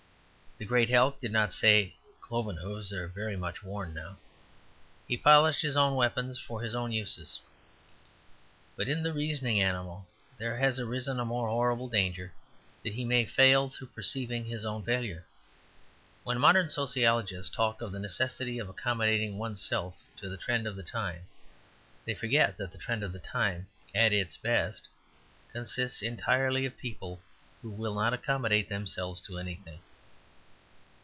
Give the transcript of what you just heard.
The great elk did not say, "Cloven hoofs are very much worn now." He polished his own weapons for his own use. But in the reasoning animal there has arisen a more horrible danger, that he may fail through perceiving his own failure. When modern sociologists talk of the necessity of accommodating one's self to the trend of the time, they forget that the trend of the time at its best consists entirely of people who will not accommodate themselves to anything.